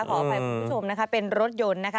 ขออภัยคุณผู้ชมนะคะเป็นรถยนต์นะคะ